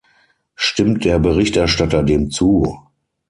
Stimmt der Berichterstatter dem zu?